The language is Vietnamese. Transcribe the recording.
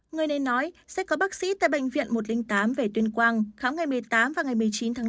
người này nói sẽ có bác sĩ tại bệnh viện một trăm linh tám về tuyên quang khám ngày một mươi tám và ngày một mươi chín tháng năm